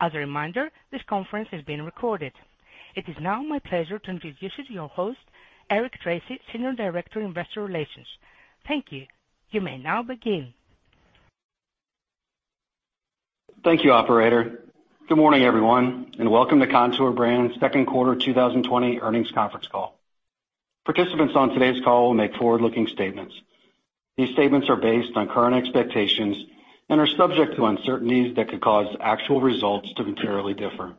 As a reminder, this conference is being recorded. It is now my pleasure to introduce you to your host, Eric Tracy, Senior Director, Investor Relations. Thank you. You may now begin. Thank you, operator. Good morning, everyone, and welcome to Kontoor Brands' second quarter 2020 earnings conference call. Participants on today's call will make forward-looking statements. These statements are based on current expectations and are subject to uncertainties that could cause actual results to materially differ.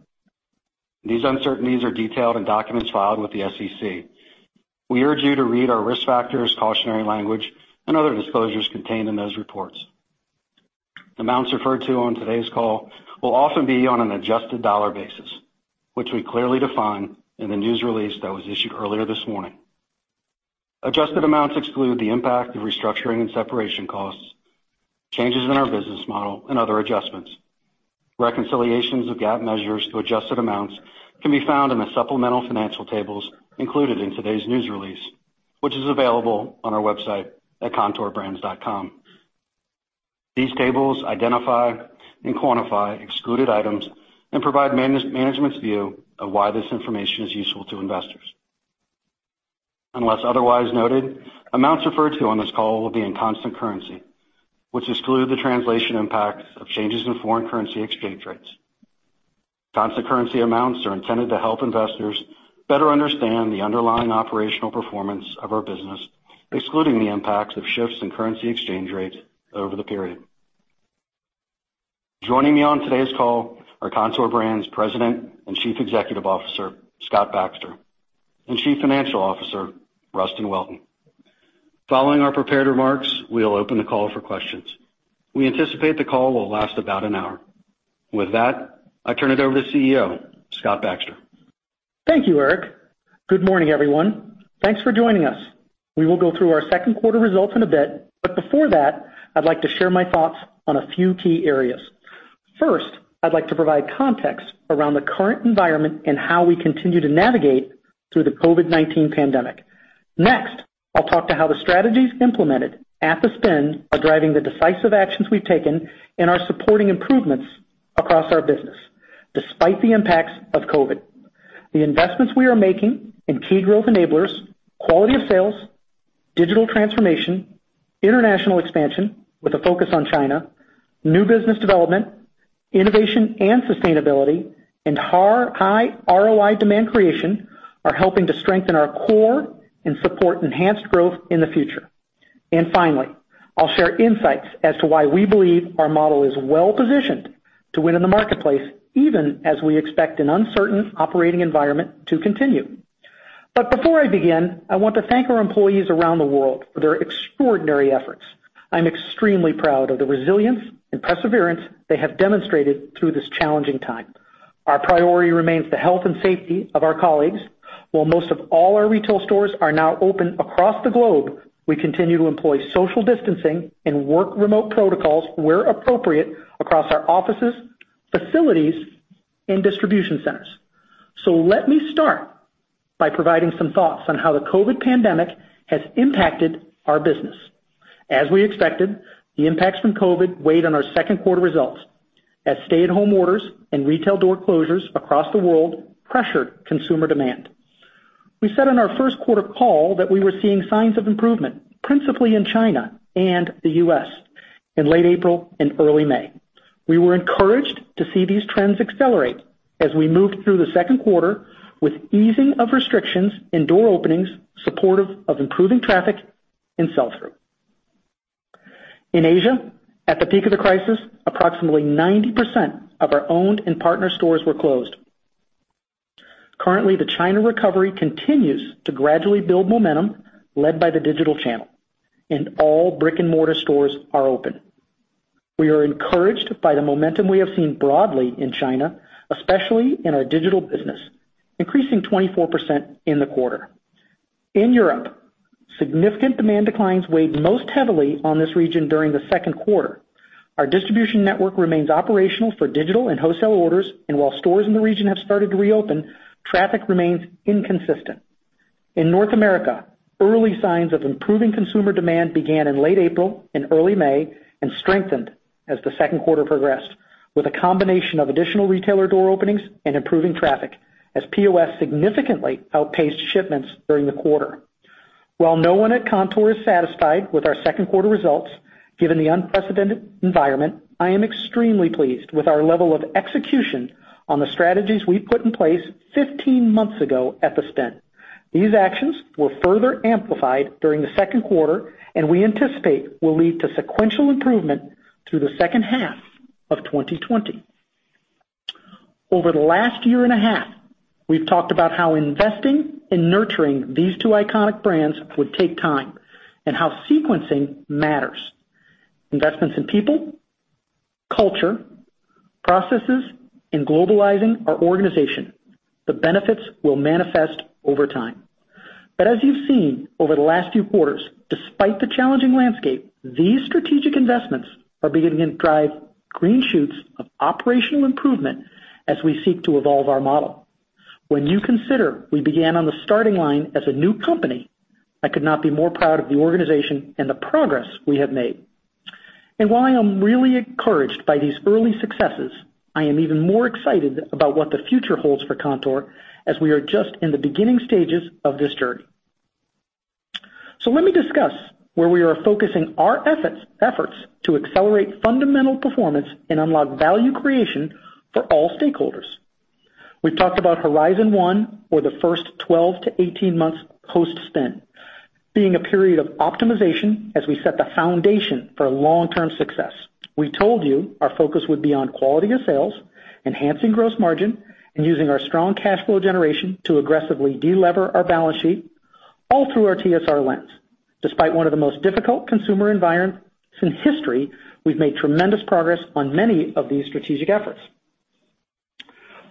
These uncertainties are detailed in documents filed with the SEC. We urge you to read our risk factors, cautionary language, and other disclosures contained in those reports. Amounts referred to on today's call will often be on an adjusted dollar basis, which we clearly define in the news release that was issued earlier this morning. Adjusted amounts exclude the impact of restructuring and separation costs, changes in our business model, and other adjustments. Reconciliations of GAAP measures to adjusted amounts can be found in the supplemental financial tables included in today's news release, which is available on our website at kontoorbrands.com. These tables identify and quantify excluded items and provide management's view of why this information is useful to investors. Unless otherwise noted, amounts referred to on this call will be in constant currency, which exclude the translation impacts of changes in foreign currency exchange rates. Constant currency amounts are intended to help investors better understand the underlying operational performance of our business, excluding the impacts of shifts in currency exchange rates over the period. Joining me on today's call are Kontoor Brands' President and Chief Executive Officer, Scott Baxter, and Chief Financial Officer, Rustin Welton. Following our prepared remarks, we'll open the call for questions. We anticipate the call will last about an hour. With that, I turn it over to CEO, Scott Baxter. Thank you, Eric. Good morning, everyone. Thanks for joining us. We will go through our second quarter results in a bit, but before that, I'd like to share my thoughts on a few key areas. First, I'd like to provide context around the current environment and how we continue to navigate through the COVID-19 pandemic. Next, I'll talk to how the strategies implemented at the spin are driving the decisive actions we've taken and are supporting improvements across our business, despite the impacts of COVID. The investments we are making in key growth enablers, quality of sales, digital transformation, international expansion with a focus on China, new business development, innovation and sustainability, and high ROI demand creation are helping to strengthen our core and support enhanced growth in the future. Finally, I'll share insights as to why we believe our model is well positioned to win in the marketplace, even as we expect an uncertain operating environment to continue. Before I begin, I want to thank our employees around the world for their extraordinary efforts. I'm extremely proud of the resilience and perseverance they have demonstrated through this challenging time. Our priority remains the health and safety of our colleagues. While most of all our retail stores are now open across the globe, we continue to employ social distancing and work remote protocols where appropriate across our offices, facilities, and distribution centers. Let me start by providing some thoughts on how the COVID pandemic has impacted our business. As we expected, the impacts from COVID weighed on our second quarter results as stay-at-home orders and retail door closures across the world pressured consumer demand. We said on our first quarter call that we were seeing signs of improvement, principally in China and the U.S. in late April and early May. We were encouraged to see these trends accelerate as we moved through the second quarter with easing of restrictions and door openings supportive of improving traffic and sell-through. In Asia, at the peak of the crisis, approximately 90% of our owned and partner stores were closed. Currently, the China recovery continues to gradually build momentum led by the digital channel, and all brick and mortar stores are open. We are encouraged by the momentum we have seen broadly in China, especially in our digital business, increasing 24% in the quarter. In Europe, significant demand declines weighed most heavily on this region during the second quarter. Our distribution network remains operational for digital and wholesale orders, and while stores in the region have started to reopen, traffic remains inconsistent. In North America, early signs of improving consumer demand began in late April and early May and strengthened as the second quarter progressed, with a combination of additional retailer door openings and improving traffic as POS significantly outpaced shipments during the quarter. While no one at Kontoor is satisfied with our second quarter results, given the unprecedented environment, I am extremely pleased with our level of execution on the strategies we put in place 15 months ago at the spin. These actions were further amplified during the second quarter and we anticipate will lead to sequential improvement through the second half of 2020. Over the last year and a half, we've talked about how investing and nurturing these two iconic brands would take time and how sequencing matters. Investments in people, culture, processes, and globalizing our organization, the benefits will manifest over time. As you've seen over the last few quarters, despite the challenging landscape, these strategic investments are beginning to drive green shoots of operational improvement as we seek to evolve our model. When you consider we began on the starting line as a new company, I could not be more proud of the organization and the progress we have made. While I am really encouraged by these early successes, I am even more excited about what the future holds for Kontoor, as we are just in the beginning stages of this journey. Let me discuss where we are focusing our efforts to accelerate fundamental performance and unlock value creation for all stakeholders. We've talked about Horizon One or the first 12-18 months post-spin, being a period of optimization as we set the foundation for long-term success. We told you our focus would be on quality of sales, enhancing gross margin, and using our strong cash flow generation to aggressively de-lever our balance sheet, all through our TSR lens. Despite one of the most difficult consumer environments in history, we've made tremendous progress on many of these strategic efforts.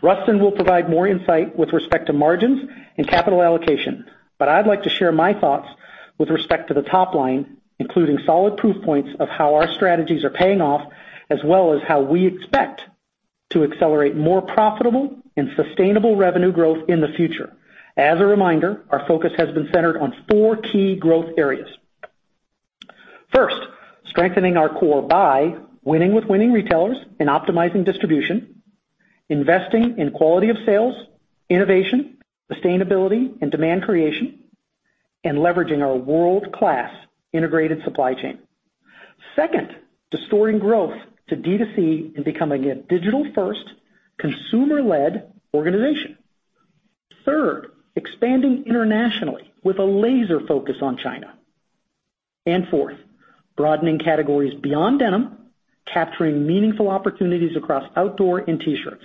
Rustin will provide more insight with respect to margins and capital allocation, but I'd like to share my thoughts with respect to the top line, including solid proof points of how our strategies are paying off, as well as how we expect to accelerate more profitable and sustainable revenue growth in the future. As a reminder, our focus has been centered on four key growth areas. First, strengthening our core by winning with winning retailers and optimizing distribution, investing in quality of sales, innovation, sustainability, and demand creation, and leveraging our world-class integrated supply chain. Second, distorting growth to D2C and becoming a digital-first, consumer-led organization. Third, expanding internationally with a laser focus on China. Fourth, broadening categories beyond denim, capturing meaningful opportunities across outdoor and T-shirts.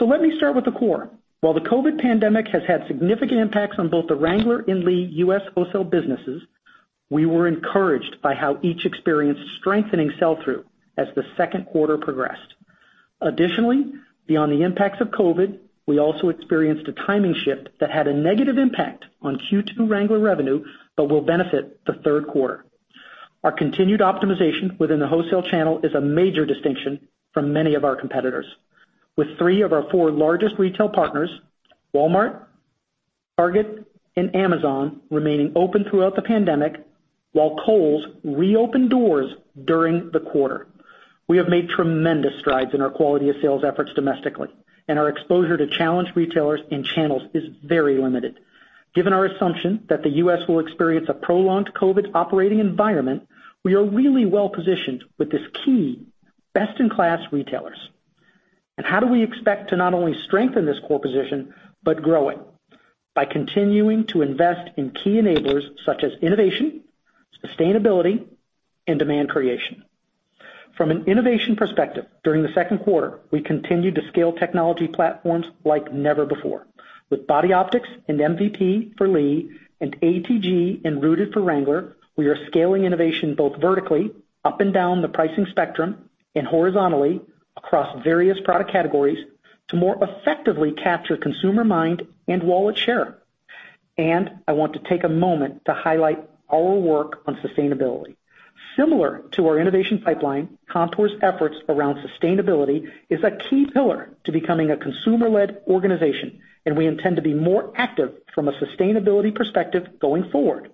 Let me start with the core. While the COVID pandemic has had significant impacts on both the Wrangler and Lee U.S. wholesale businesses, we were encouraged by how each experienced strengthening sell-through as the second quarter progressed. Additionally, beyond the impacts of COVID, we also experienced a timing shift that had a negative impact on Q2 Wrangler revenue, but will benefit the third quarter. Our continued optimization within the wholesale channel is a major distinction from many of our competitors. With three of our four largest retail partners, Walmart, Target, and Amazon, remaining open throughout the pandemic, while Kohl's reopened doors during the quarter. We have made tremendous strides in our quality of sales efforts domestically, and our exposure to challenged retailers and channels is very limited. Given our assumption that the U.S. will experience a prolonged COVID operating environment, we are really well positioned with these key best-in-class retailers. How do we expect to not only strengthen this core position, but grow it? By continuing to invest in key enablers such as innovation, sustainability, and demand creation. From an innovation perspective, during the second quarter, we continued to scale technology platforms like never before. With Body Optix and MVP for Lee and ATG and Rooted for Wrangler, we are scaling innovation both vertically, up and down the pricing spectrum, and horizontally across various product categories to more effectively capture consumer mind and wallet share. I want to take a moment to highlight our work on sustainability. Similar to our innovation pipeline, Kontoor's efforts around sustainability is a key pillar to becoming a consumer-led organization, and we intend to be more active from a sustainability perspective going forward.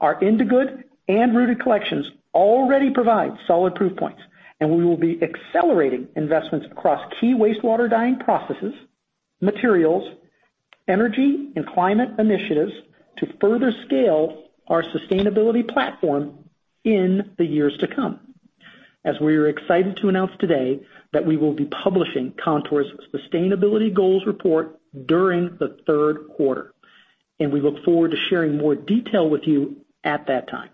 Our Indigood and Rooted Collection already provide solid proof points. We will be accelerating investments across key wastewater dyeing processes, materials, energy, and climate initiatives to further scale our sustainability platform in the years to come. We are excited to announce today that we will be publishing Kontoor Brands' sustainability goals report during the third quarter. We look forward to sharing more detail with you at that time.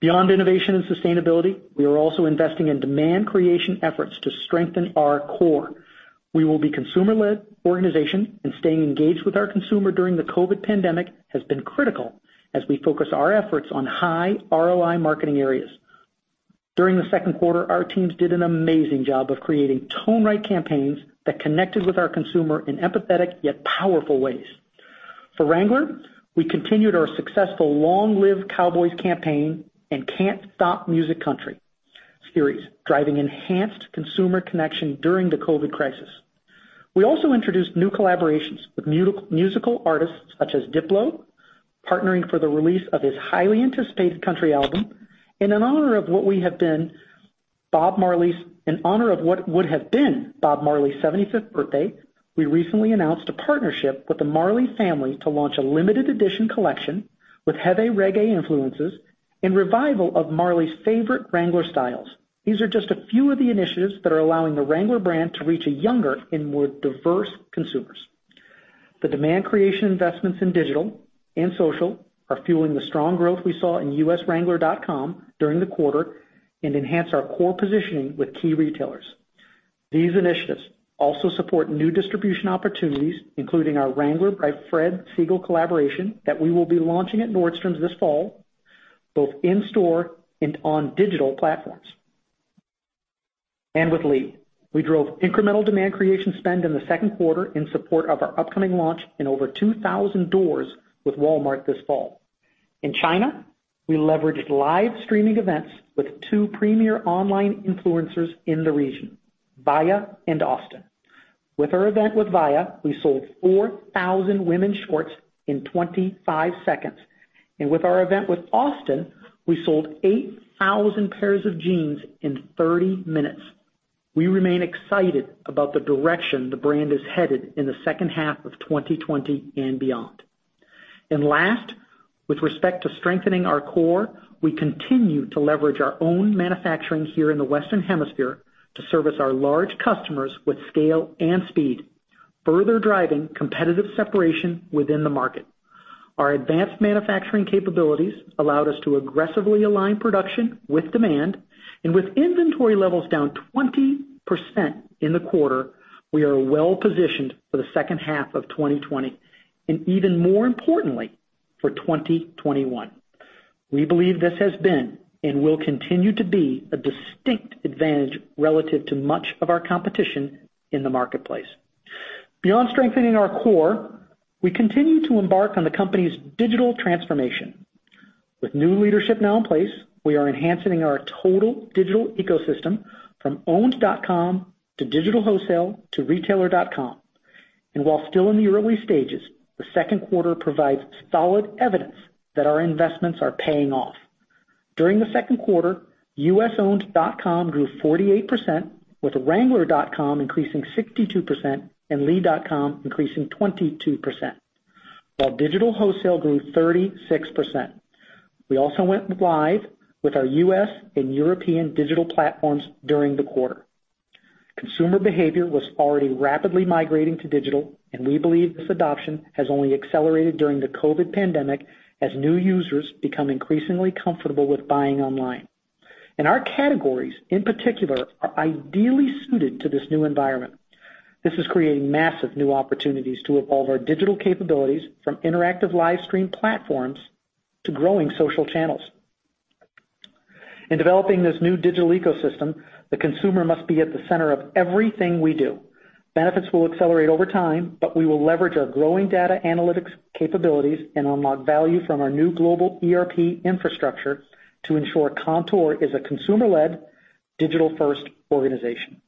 Beyond innovation and sustainability, we are also investing in demand creation efforts to strengthen our core. We will be a consumer-led organization. Staying engaged with our consumer during the COVID-19 pandemic has been critical as we focus our efforts on high ROI marketing areas. During the second quarter, our teams did an amazing job of creating tone-right campaigns that connected with our consumer in empathetic yet powerful ways. For Wrangler, we continued our successful Long Live Cowboys campaign and Can't Stop Music Country series, driving enhanced consumer connection during the COVID crisis. We also introduced new collaborations with musical artists such as Diplo, partnering for the release of his highly anticipated country album. In honor of what would have been Bob Marley's 75th birthday, we recently announced a partnership with the Marley family to launch a limited edition collection with heavy reggae influences and revival of Marley's favorite Wrangler styles. These are just a few of the initiatives that are allowing the Wrangler brand to reach younger and more diverse consumers. The demand creation investments in digital and social are fueling the strong growth we saw in wrangler.com during the quarter and enhance our core positioning with key retailers. These initiatives also support new distribution opportunities, including our Wrangler by Fred Segal collaboration that we will be launching at Nordstrom this fall, both in store and on digital platforms. With Lee, we drove incremental demand creation spend in the second quarter in support of our upcoming launch in over 2,000 doors with Walmart this fall. In China, we leveraged live streaming events with two premier online influencers in the region, Viya and Austin. With our event with Viya, we sold 4,000 women's shorts in 25 seconds. With our event with Austin, we sold 8,000 pairs of jeans in 30 minutes. We remain excited about the direction the brand is headed in the second half of 2020 and beyond. Last, with respect to strengthening our core, we continue to leverage our own manufacturing here in the Western Hemisphere to service our large customers with scale and speed, further driving competitive separation within the market. Our advanced manufacturing capabilities allowed us to aggressively align production with demand. With inventory levels down 20% in the quarter, we are well-positioned for the second half of 2020, even more importantly, for 2021. We believe this has been and will continue to be a distinct advantage relative to much of our competition in the marketplace. Beyond strengthening our core, we continue to embark on the company's digital transformation. With new leadership now in place, we are enhancing our total digital ecosystem from owned.com to digital wholesale to retailer.com. While still in the early stages, the second quarter provides solid evidence that our investments are paying off. During the second quarter, usowned.com grew 48%, with wrangler.com increasing 62%, and lee.com increasing 22%, while digital wholesale grew 36%. We also went live with our U.S. and European digital platforms during the quarter. Consumer behavior was already rapidly migrating to digital, we believe this adoption has only accelerated during the COVID-19 pandemic as new users become increasingly comfortable with buying online. Our categories, in particular, are ideally suited to this new environment. This is creating massive new opportunities to evolve our digital capabilities from interactive live stream platforms to growing social channels. In developing this new digital ecosystem, the consumer must be at the center of everything we do. Benefits will accelerate over time, we will leverage our growing data analytics capabilities and unlock value from our new global ERP infrastructure to ensure Kontoor is a consumer-led, digital-first organization.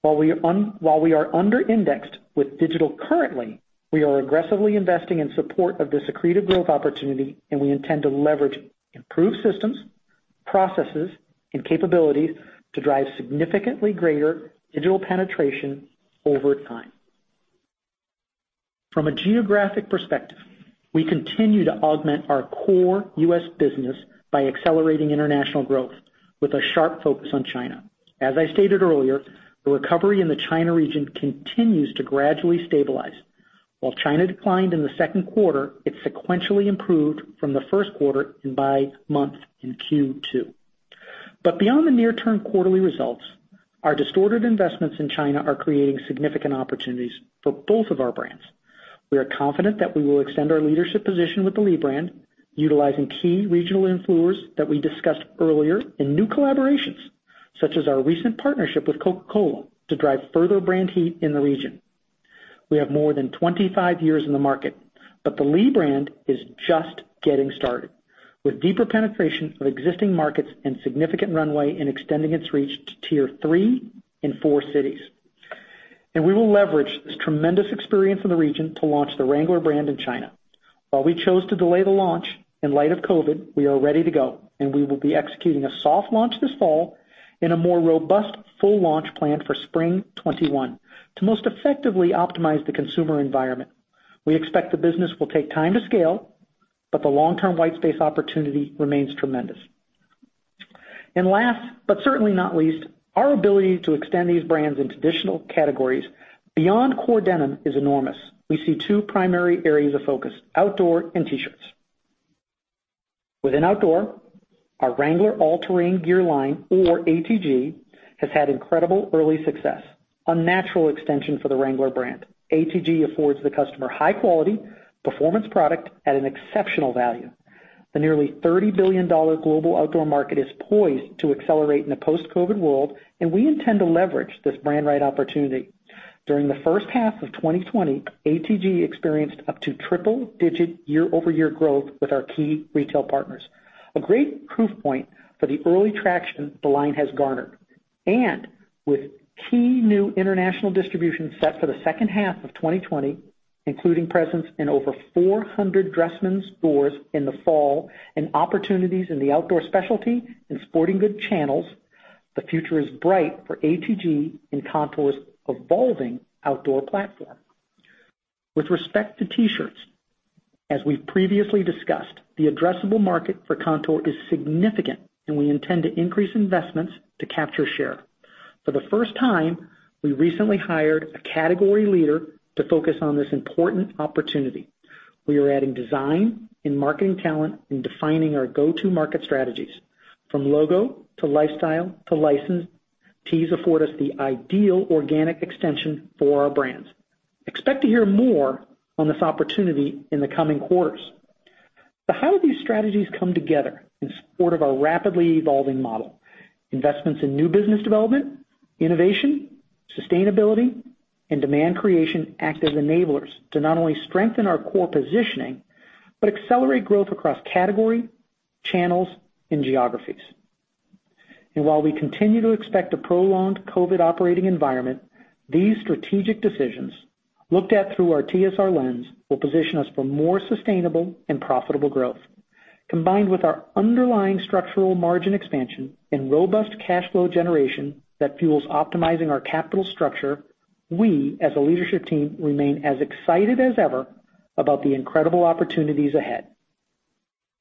While we are under-indexed with digital currently, we are aggressively investing in support of this accretive growth opportunity, we intend to leverage improved systems, processes, and capabilities to drive significantly greater digital penetration over time. From a geographic perspective, we continue to augment our core U.S. business by accelerating international growth with a sharp focus on China. As I stated earlier, the recovery in the China region continues to gradually stabilize. While China declined in the second quarter, it sequentially improved from the first quarter and by month in Q2. Beyond the near-term quarterly results, our distorted investments in China are creating significant opportunities for both of our brands. We are confident that we will extend our leadership position with the Lee brand, utilizing key regional influencers that we discussed earlier in new collaborations, such as our recent partnership with Coca-Cola to drive further brand heat in the region. We have more than 25 years in the market, but the Lee brand is just getting started with deeper penetration of existing markets and significant runway and extending its reach to Tier 3 and 4 cities. We will leverage this tremendous experience in the region to launch the Wrangler brand in China. While we chose to delay the launch in light of COVID-19, we are ready to go, and we will be executing a soft launch this fall and a more robust full launch planned for spring 2021 to most effectively optimize the consumer environment. We expect the business will take time to scale, but the long-term white space opportunity remains tremendous. Last, but certainly not least, our ability to extend these brands into additional categories beyond core denim is enormous. We see two primary areas of focus, outdoor and T-shirts. Within outdoor, our Wrangler All-Terrain Gear line, or ATG, has had incredible early success. A natural extension for the Wrangler brand. ATG affords the customer high quality, performance product at an exceptional value. The nearly $30 billion global outdoor market is poised to accelerate in a post-COVID world, and we intend to leverage this brand right opportunity. During the first half of 2020, ATG experienced up to triple-digit year-over-year growth with our key retail partners. A great proof point for the early traction the line has garnered. With key new international distribution set for the second half of 2020, including presence in over 400 Dressmann stores in the fall and opportunities in the outdoor specialty and sporting goods channels, the future is bright for ATG and Kontoor's evolving outdoor platform. With respect to T-shirts, as we've previously discussed, the addressable market for Kontoor is significant, and we intend to increase investments to capture share. For the first time, we recently hired a category leader to focus on this important opportunity. We are adding design and marketing talent and defining our go-to market strategies. From logo to lifestyle to license, tees afford us the ideal organic extension for our brands. Expect to hear more on this opportunity in the coming quarters. How do these strategies come together in support of our rapidly evolving model? Investments in new business development, innovation, sustainability, and demand creation active enablers to not only strengthen our core positioning, but accelerate growth across category, channels, and geographies. While we continue to expect a prolonged COVID operating environment, these strategic decisions, looked at through our TSR lens, will position us for more sustainable and profitable growth. Combined with our underlying structural margin expansion and robust cash flow generation that fuels optimizing our capital structure, we, as a leadership team, remain as excited as ever about the incredible opportunities ahead.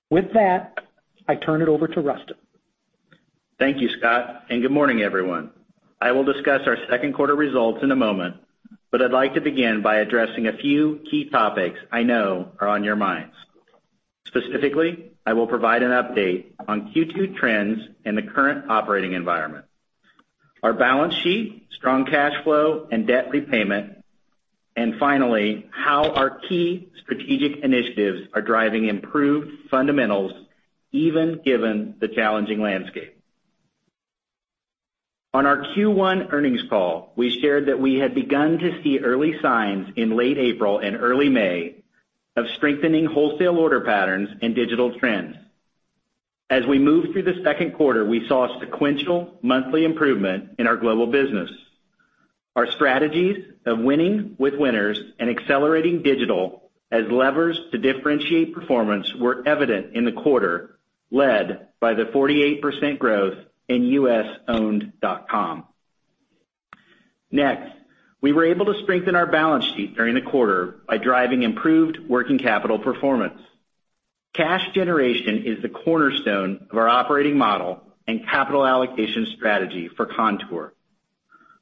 With that, I turn it over to Rustin. Thank you, Scott, and good morning, everyone. I will discuss our second quarter results in a moment. I'd like to begin by addressing a few key topics I know are on your minds. Specifically, I will provide an update on Q2 trends and the current operating environment, our balance sheet, strong cash flow, and debt repayment, and finally, how our key strategic initiatives are driving improved fundamentals even given the challenging landscape. On our Q1 earnings call, we shared that we had begun to see early signs in late April and early May of strengthening wholesale order patterns and digital trends. As we moved through the second quarter, we saw sequential monthly improvement in our global business. Our strategies of winning with winners and accelerating digital as levers to differentiate performance were evident in the quarter, led by the 48% growth in usowned.com. Next, we were able to strengthen our balance sheet during the quarter by driving improved working capital performance. Cash generation is the cornerstone of our operating model and capital allocation strategy for Kontoor.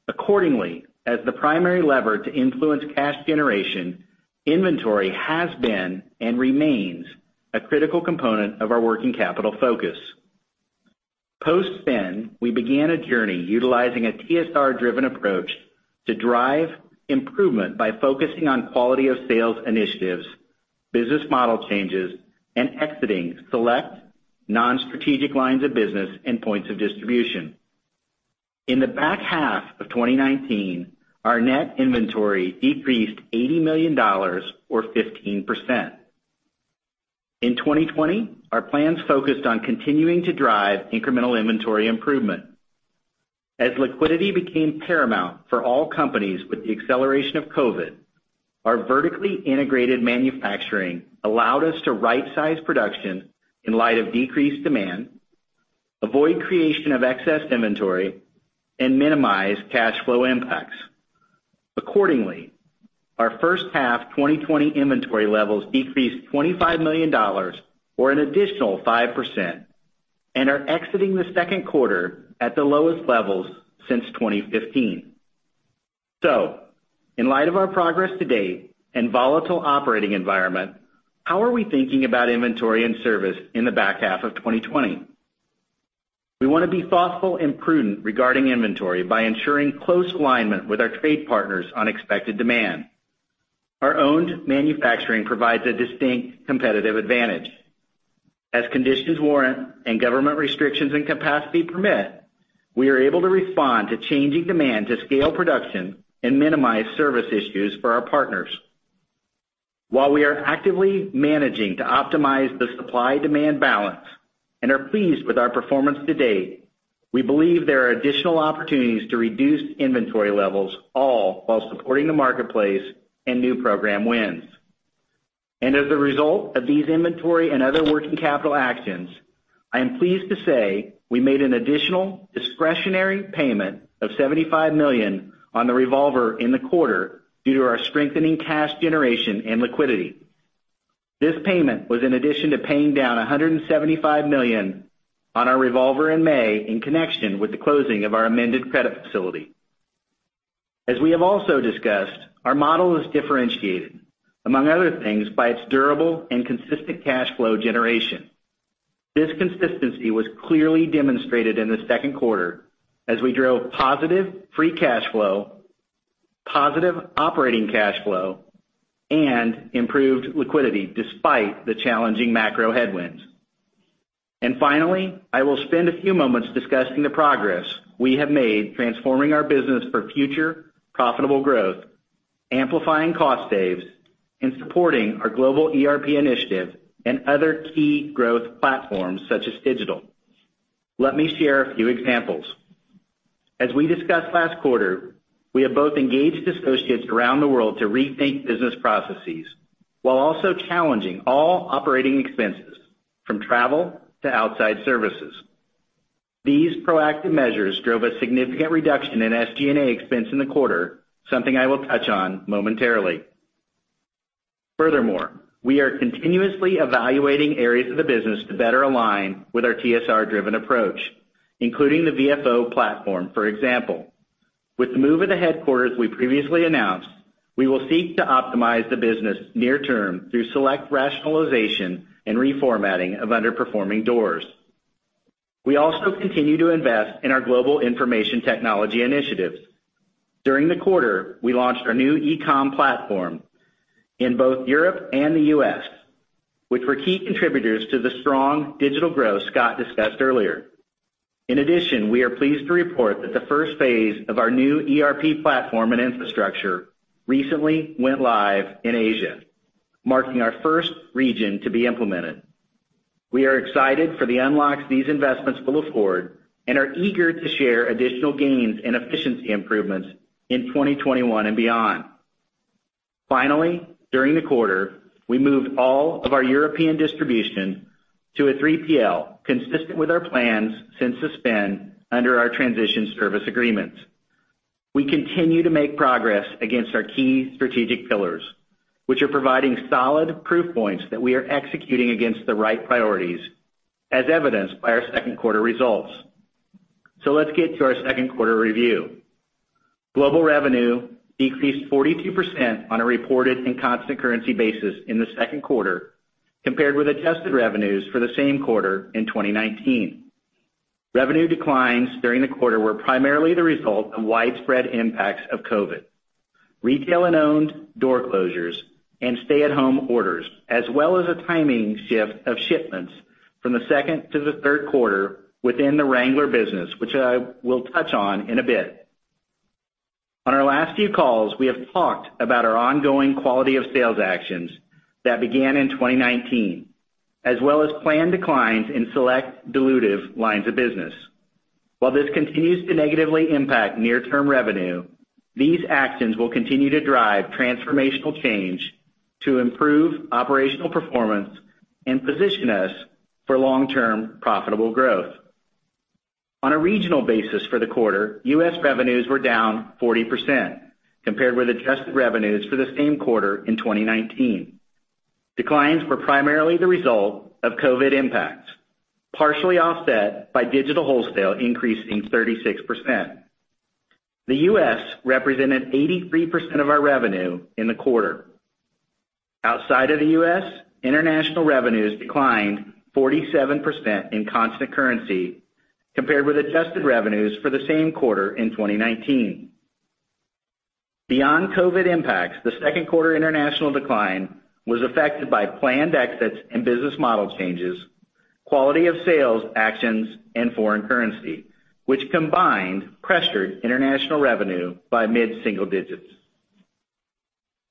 Accordingly, as the primary lever to influence cash generation, inventory has been and remains a critical component of our working capital focus. Post spin, we began a journey utilizing a TSR-driven approach to drive improvement by focusing on quality of sales initiatives, business model changes, and exiting select non-strategic lines of business and points of distribution. In the back half of 2019, our net inventory decreased $80 million, or 15%. In 2020, our plans focused on continuing to drive incremental inventory improvement. As liquidity became paramount for all companies with the acceleration of COVID-19, our vertically integrated manufacturing allowed us to right-size production in light of decreased demand, avoid creation of excess inventory, and minimize cash flow impacts. Our first half 2020 inventory levels decreased $25 million, or an additional 5%, and are exiting the second quarter at the lowest levels since 2015. In light of our progress to date and volatile operating environment, how are we thinking about inventory and service in the back half of 2020? We want to be thoughtful and prudent regarding inventory by ensuring close alignment with our trade partners on expected demand. Our owned manufacturing provides a distinct competitive advantage. As conditions warrant and government restrictions and capacity permit, we are able to respond to changing demand to scale production and minimize service issues for our partners. While we are actively managing to optimize the supply-demand balance and are pleased with our performance to date, we believe there are additional opportunities to reduce inventory levels, all while supporting the marketplace and new program wins. As a result of these inventory and other working capital actions, I am pleased to say we made an additional discretionary payment of $75 million on the revolver in the quarter due to our strengthening cash generation and liquidity. This payment was in addition to paying down $175 million on our revolver in May in connection with the closing of our amended credit facility. As we have also discussed, our model is differentiated, among other things, by its durable and consistent cash flow generation. This consistency was clearly demonstrated in the second quarter as we drove positive free cash flow, positive operating cash flow, and improved liquidity despite the challenging macro headwinds. Finally, I will spend a few moments discussing the progress we have made transforming our business for future profitable growth, amplifying cost saves, and supporting our global ERP initiative and other key growth platforms such as digital. Let me share a few examples. As we discussed last quarter, we have both engaged associates around the world to rethink business processes while also challenging all operating expenses, from travel to outside services. These proactive measures drove a significant reduction in SG&A expense in the quarter, something I will touch on momentarily. Furthermore, we are continuously evaluating areas of the business to better align with our TSR-driven approach, including the VFO platform, for example. With the move of the headquarters we previously announced, we will seek to optimize the business near term through select rationalization and reformatting of underperforming doors. We also continue to invest in our global information technology initiatives. During the quarter, we launched our new e-com platform in both Europe and the U.S., which were key contributors to the strong digital growth Scott discussed earlier. In addition, we are pleased to report that the first phase of our new ERP platform and infrastructure recently went live in Asia, marking our first region to be implemented. We are excited for the unlocks these investments will afford and are eager to share additional gains and efficiency improvements in 2021 and beyond. Finally, during the quarter, we moved all of our European distribution to a 3PL consistent with our plans since the spin under our transition service agreements. We continue to make progress against our key strategic pillars, which are providing solid proof points that we are executing against the right priorities, as evidenced by our second quarter results. Let's get to our second quarter review. Global revenue decreased 42% on a reported and constant currency basis in the second quarter compared with adjusted revenues for the same quarter in 2019. Revenue declines during the quarter were primarily the result of widespread impacts of COVID-19, retail and owned door closures, and stay-at-home orders, as well as a timing shift of shipments from the second to the third quarter within the Wrangler business, which I will touch on in a bit. On our last few calls, we have talked about our ongoing quality of sales actions that began in 2019, as well as planned declines in select dilutive lines of business. While this continues to negatively impact near-term revenue, these actions will continue to drive transformational change to improve operational performance and position us for long-term profitable growth. On a regional basis for the quarter, U.S. revenues were down 40% compared with adjusted revenues for the same quarter in 2019. Declines were primarily the result of COVID impacts, partially offset by digital wholesale increasing 36%. The U.S. represented 83% of our revenue in the quarter. Outside of the U.S., international revenues declined 47% in constant currency compared with adjusted revenues for the same quarter in 2019. Beyond COVID impacts, the second quarter international decline was affected by planned exits and business model changes, quality of sales actions, and foreign currency, which combined pressured international revenue by mid-single digits.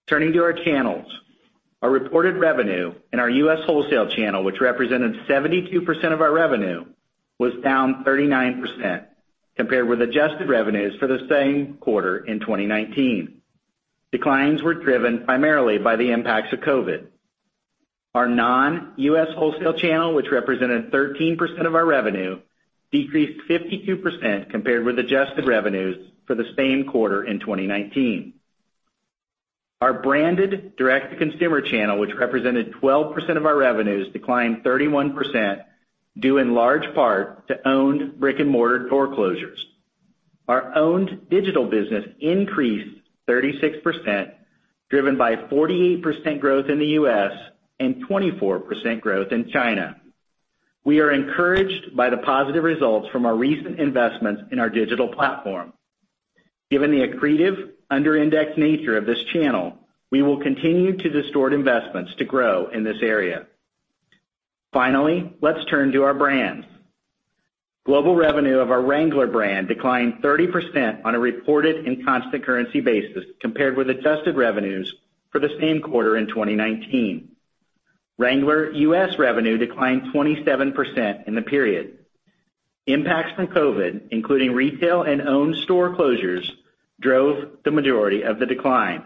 Turning to our channels, our reported revenue in our U.S. wholesale channel, which represented 72% of our revenue, was down 39% compared with adjusted revenues for the same quarter in 2019. Declines were driven primarily by the impacts of COVID. Our non-U.S. wholesale channel, which represented 13% of our revenue, decreased 52% compared with adjusted revenues for the same quarter in 2019. Our branded direct-to-consumer channel, which represented 12% of our revenues, declined 31%, due in large part to owned brick-and-mortar foreclosures. Our owned digital business increased 36%, driven by 48% growth in the U.S. and 24% growth in China. We are encouraged by the positive results from our recent investments in our digital platform. Given the accretive, under-indexed nature of this channel, we will continue to distort investments to grow in this area. Finally, let's turn to our brands. Global revenue of our Wrangler brand declined 30% on a reported and constant currency basis compared with adjusted revenues for the same quarter in 2019. Wrangler U.S. revenue declined 27% in the period. Impacts from COVID, including retail and owned store closures, drove the majority of the decline.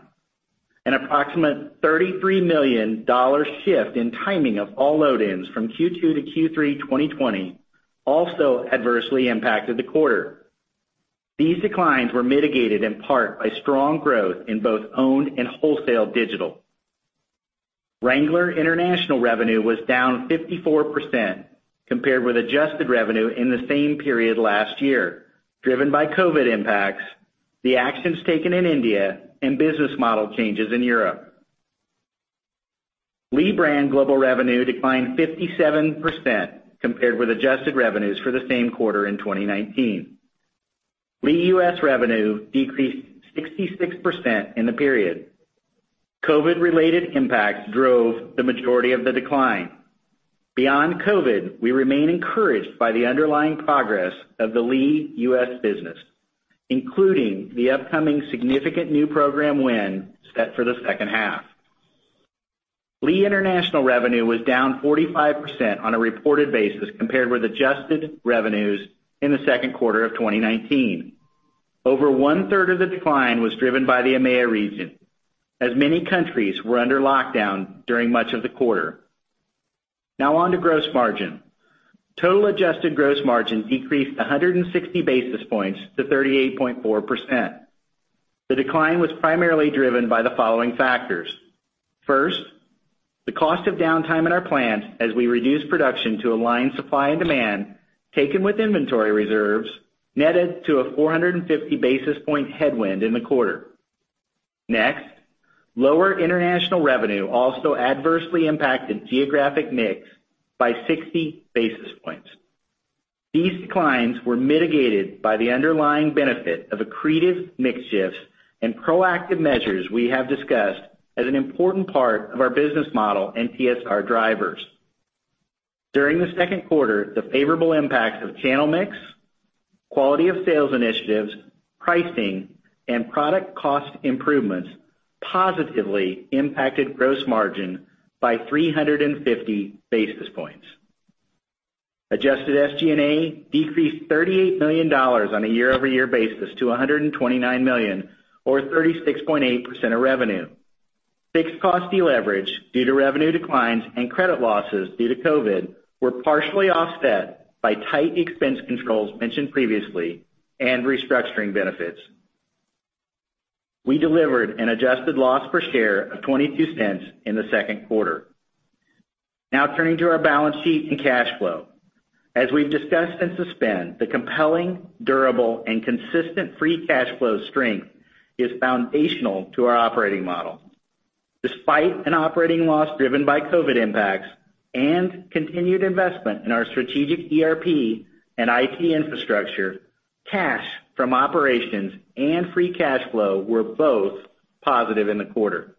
An approximate $33 million shift in timing of all load-ins from Q2 to Q3 2020 also adversely impacted the quarter. These declines were mitigated in part by strong growth in both owned and wholesale digital. Wrangler international revenue was down 54% compared with adjusted revenue in the same period last year, driven by COVID impacts, the actions taken in India, and business model changes in Europe. Lee brand global revenue declined 57% compared with adjusted revenues for the same quarter in 2019. Lee U.S. revenue decreased 66% in the period. COVID-related impacts drove the majority of the decline. Beyond COVID, we remain encouraged by the underlying progress of the Lee U.S. business, including the upcoming significant new program win set for the second half. Lee international revenue was down 45% on a reported basis compared with adjusted revenues in the second quarter of 2019. Over one-third of the decline was driven by the EMEA region, as many countries were under lockdown during much of the quarter. On to gross margin. Total adjusted gross margin decreased 160 basis points to 38.4%. The decline was primarily driven by the following factors. First, the cost of downtime in our plants as we reduce production to align supply and demand, taken with inventory reserves, netted to a 450 basis point headwind in the quarter. Next, lower international revenue also adversely impacted geographic mix by 60 basis points. These declines were mitigated by the underlying benefit of accretive mix shifts. Proactive measures we have discussed as an important part of our business model and TSR drivers. During the second quarter, the favorable impacts of channel mix, quality of sales initiatives, pricing, and product cost improvements positively impacted gross margin by 350 basis points. Adjusted SG&A decreased $38 million on a year-over-year basis to $129 million, or 36.8% of revenue. Fixed cost deleverage due to revenue declines and credit losses due to COVID were partially offset by tight expense controls mentioned previously and restructuring benefits. We delivered an adjusted loss per share of $0.22 in the second quarter. Turning to our balance sheet and cash flow. As we've discussed and sustained, the compelling, durable, and consistent free cash flow strength is foundational to our operating model. Despite an operating loss driven by COVID impacts and continued investment in our strategic ERP and IT infrastructure, cash from operations and free cash flow were both positive in the quarter.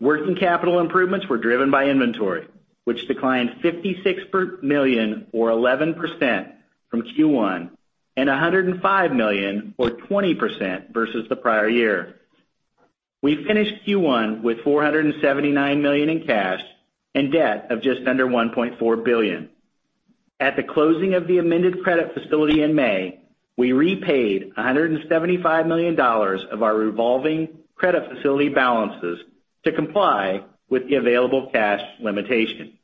Working capital improvements were driven by inventory, which declined $56 million or 11% from Q1 and $105 million or 20% versus the prior year. We finished Q1 with $479 million in cash and debt of just under $1.4 billion. At the closing of the amended credit facility in May, we repaid $175 million of our revolving credit facility balances to comply with the available cash limitation.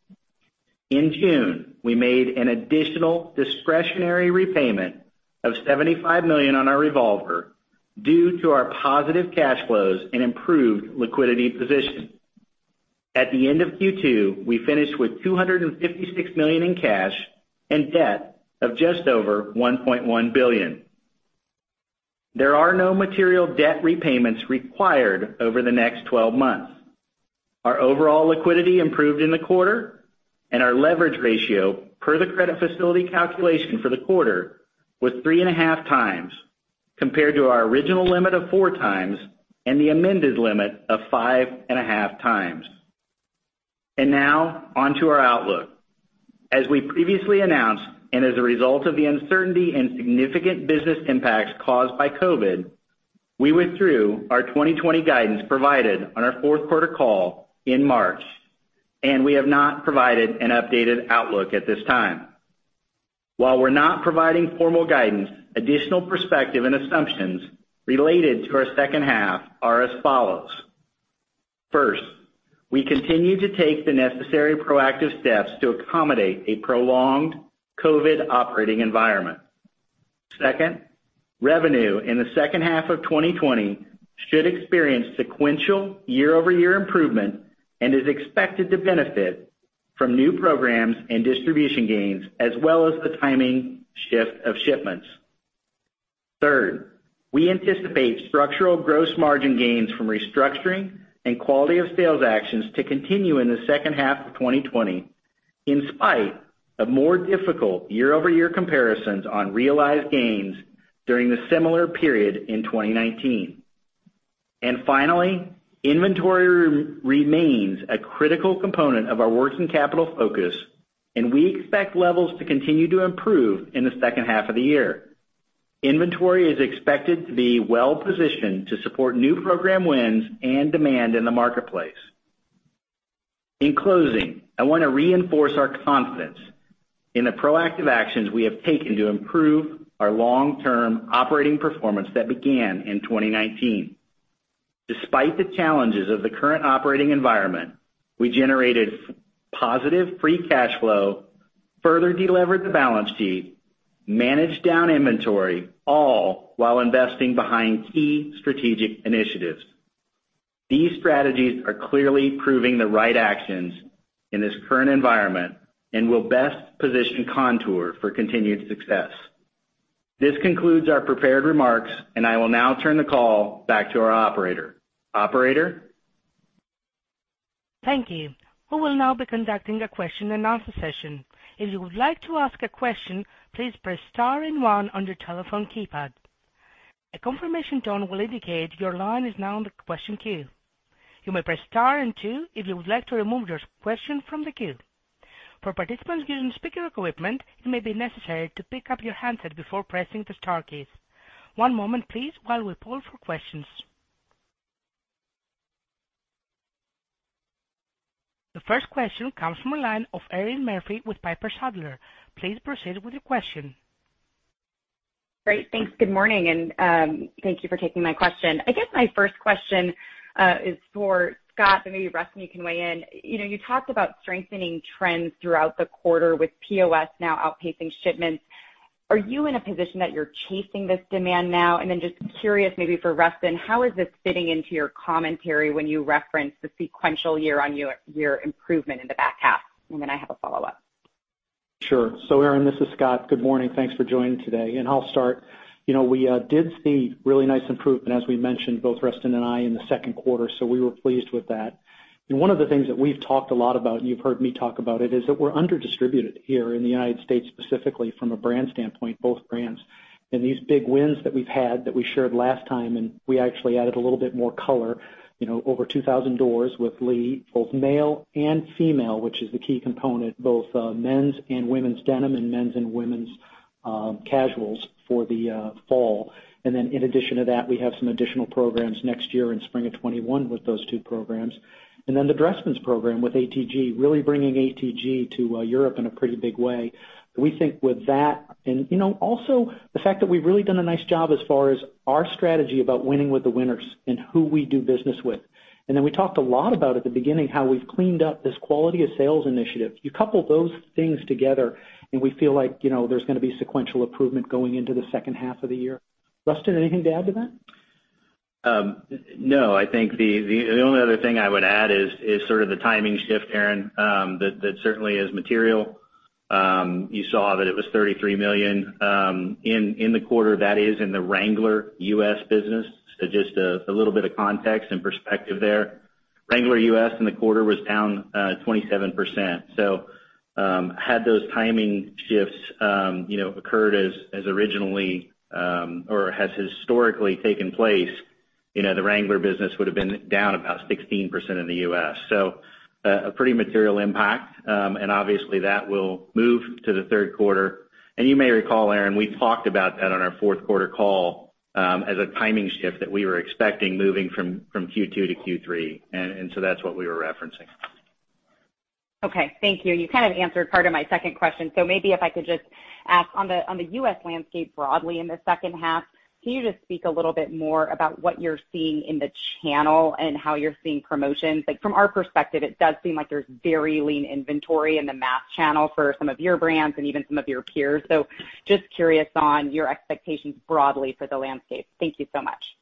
In June, we made an additional discretionary repayment of $75 million on our revolver due to our positive cash flows and improved liquidity position. At the end of Q2, we finished with $256 million in cash and debt of just over $1.1 billion. There are no material debt repayments required over the next 12 months. Our overall liquidity improved in the quarter, and our leverage ratio per the credit facility calculation for the quarter was 3.5 times compared to our original limit of four times and the amended limit of 5.5 times. Now on to our outlook. As we previously announced, and as a result of the uncertainty and significant business impacts caused by COVID, we withdrew our 2020 guidance provided on our fourth quarter call in March, and we have not provided an updated outlook at this time. While we're not providing formal guidance, additional perspective and assumptions related to our second half are as follows. First, we continue to take the necessary proactive steps to accommodate a prolonged COVID operating environment. Second, revenue in the second half of 2020 should experience sequential year-over-year improvement and is expected to benefit from new programs and distribution gains, as well as the timing shift of shipments. Third, we anticipate structural gross margin gains from restructuring and quality of sales actions to continue in the second half of 2020, in spite of more difficult year-over-year comparisons on realized gains during the similar period in 2019. Finally, inventory remains a critical component of our working capital focus, and we expect levels to continue to improve in the second half of the year. Inventory is expected to be well-positioned to support new program wins and demand in the marketplace. In closing, I want to reinforce our confidence in the proactive actions we have taken to improve our long-term operating performance that began in 2019. Despite the challenges of the current operating environment, we generated positive free cash flow, further delevered the balance sheet, managed down inventory, all while investing behind key strategic initiatives. These strategies are clearly proving the right actions in this current environment and will best position Kontoor for continued success. This concludes our prepared remarks, and I will now turn the call back to our operator. Operator? Thank you. We will now be conducting a question and answer session. If you would like to ask a question, please press star and one on your telephone keypad. A confirmation tone will indicate your line is now in the question queue. You may press star and two if you would like to remove your question from the queue. For participants using speaker equipment, it may be necessary to pick up your handset before pressing the star keys. One moment, please, while we poll for questions. The first question comes from the line of Erinn Murphy with Piper Sandler. Please proceed with your question. Great. Thanks. Good morning, and thank you for taking my question. I guess my first question is for Scott, and maybe Rustin, you can weigh in. You talked about strengthening trends throughout the quarter with POS now outpacing shipments. Are you in a position that you're chasing this demand now? Then just curious maybe for Rustin, how is this fitting into your commentary when you reference the sequential year-on-year improvement in the back half? Then I have a follow-up. Sure. Erinn, this is Scott. Good morning. Thanks for joining today, and I'll start. We did see really nice improvement, as we mentioned, both Rustin and I, in the second quarter, so we were pleased with that. One of the things that we've talked a lot about, and you've heard me talk about it, is that we're under-distributed here in the U.S., specifically from a brand standpoint, both brands. These big wins that we've had, that we shared last time, we actually added a little bit more color. Over 2,000 doors with Lee, both male and female, which is the key component, both men's and women's denim and men's and women's casuals for the fall. In addition to that, we have some additional programs next year in spring of 2021 with those two programs. The Dressmann program with ATG, really bringing ATG to Europe in a pretty big way. We think with that, also the fact that we've really done a nice job as far as our strategy about winning with the winners and who we do business with. We talked a lot about, at the beginning, how we've cleaned up this quality of sales initiative. You couple those things together, and we feel like there's going to be sequential improvement going into the second half of the year. Rustin, anything to add to that? I think the only other thing I would add is sort of the timing shift, Erinn. That certainly is material. You saw that it was $33 million in the quarter. That is in the Wrangler U.S. business. Just a little bit of context and perspective there. Wrangler U.S. in the quarter was down 27%. Had those timing shifts occurred as originally, or has historically taken place, the Wrangler business would've been down about 16% in the U.S. A pretty material impact. Obviously, that will move to the third quarter. You may recall, Erinn, we talked about that on our fourth quarter call as a timing shift that we were expecting moving from Q2 to Q3. That's what we were referencing. Okay. Thank you. You kind of answered part of my second question. Maybe if I could just ask on the U.S. landscape broadly in the second half, can you just speak a little bit more about what you're seeing in the channel and how you're seeing promotions? Like, from our perspective, it does seem like there's very lean inventory in the mass channel for some of your brands and even some of your peers. Just curious on your expectations broadly for the landscape. Thank you so much.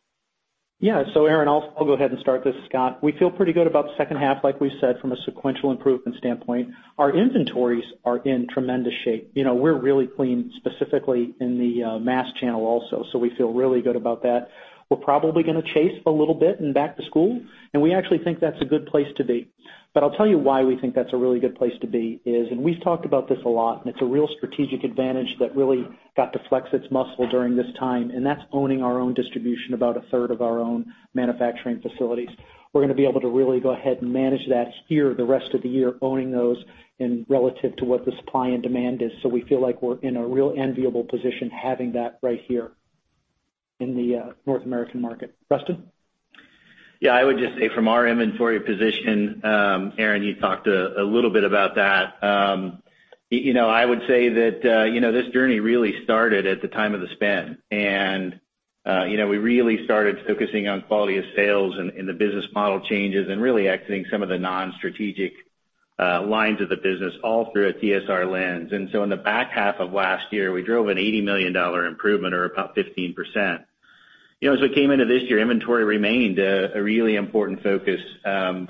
Erinn, I'll go ahead and start this. Scott, we feel pretty good about the second half, like we said, from a sequential improvement standpoint. Our inventories are in tremendous shape. We're really clean, specifically in the mass channel also. We feel really good about that. We're probably going to chase a little bit in back to school, and we actually think that's a good place to be. I'll tell you why we think that's a really good place to be is, and we've talked about this a lot, and it's a real strategic advantage that really got to flex its muscle during this time, and that's owning our own distribution, about a third of our own manufacturing facilities. We're going to be able to really go ahead and manage that here the rest of the year, owning those and relative to what the supply and demand is. We feel like we're in a real enviable position having that right here in the North American market. Rustin? I would just say from our inventory position, Erinn, you talked a little bit about that. This journey really started at the time of the spend. We really started focusing on quality of sales and the business model changes and really exiting some of the non-strategic lines of the business all through a TSR lens. In the back half of last year, we drove an $80 million improvement or about 15%. As we came into this year, inventory remained a really important focus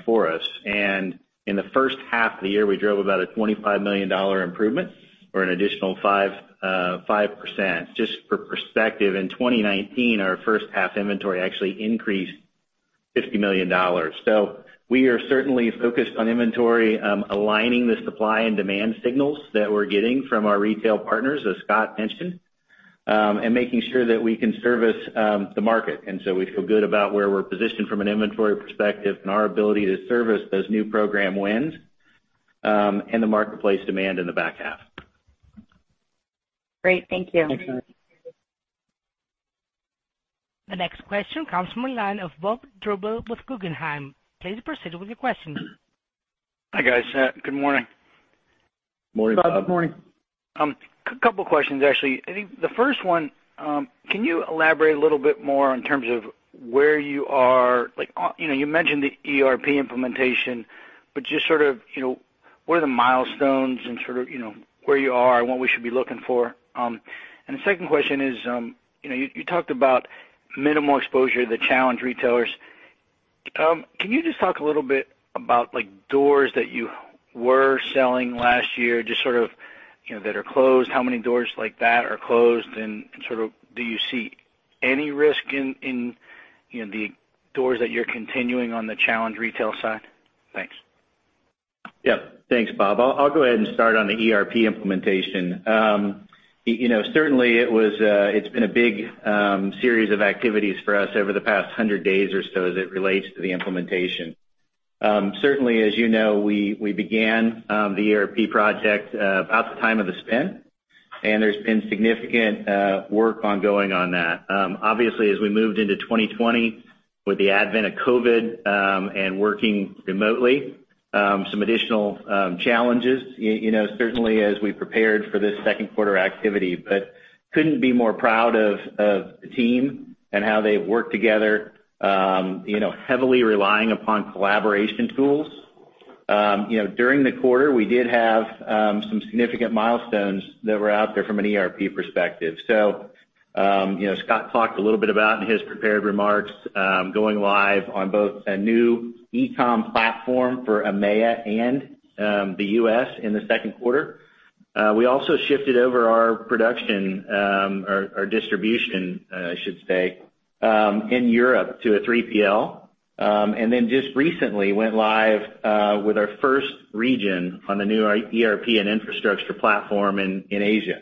for us. In the first half of the year, we drove about a $25 million improvement or an additional 5%. Just for perspective, in 2019, our first half inventory actually increased $50 million. We are certainly focused on inventory, aligning the supply and demand signals that we're getting from our retail partners, as Scott mentioned, and making sure that we can service the market. We feel good about where we're positioned from an inventory perspective and our ability to service those new program wins, and the marketplace demand in the back half. Great. Thank you. Thanks, Erinn. The next question comes from the line of Bob Drbul with Guggenheim. Please proceed with your question. Hi, guys. Good morning. Morning, Bob. Good morning. A couple questions, actually. I think the first one, can you elaborate a little bit more in terms of where you are? You mentioned the ERP implementation, but just sort of, what are the milestones and sort of, where you are and what we should be looking for? The second question is, you talked about minimal exposure to the challenged retailers. Can you just talk a little bit about doors that you were selling last year, just sort of, that are closed? How many doors like that are closed? Sort of, do you see any risk in the doors that you're continuing on the challenged retail side? Thanks. Yep. Thanks, Bob. I'll go ahead and start on the ERP implementation. Certainly, it's been a big series of activities for us over the past 100 days or so as it relates to the implementation. Certainly, as you know, we began the ERP project about the time of the spend, and there's been significant work ongoing on that. Obviously, as we moved into 2020 with the advent of COVID, and working remotely, some additional challenges, certainly as we prepared for this second quarter activity. We couldn't be more proud of the team and how they've worked together, heavily relying upon collaboration tools. During the quarter, we did have some significant milestones that were out there from an ERP perspective. Scott talked a little bit about in his prepared remarks, going live on both a new e-com platform for EMEA and the U.S. in the second quarter. We also shifted over our production, our distribution, I should say, in Europe to a 3PL. Just recently went live with our first region on the new ERP and infrastructure platform in Asia.